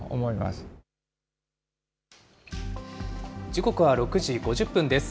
時刻は６時５０分です。